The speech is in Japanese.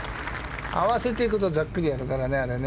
合わせていくとざっくり行くからね。